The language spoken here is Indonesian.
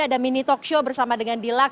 ada mini talkshow bersama dengan dilak